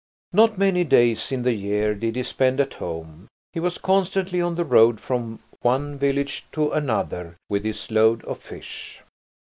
Not many days in the year did he spend at home; he was constantly on the road from one village to another with his load of fish.